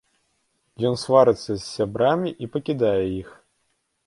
Ён сварыцца з сябрамі і пакідае іх.